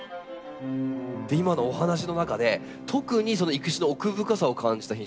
今のお話の中で特にその育種の奥深さを感じた品種があると伺ったんですが。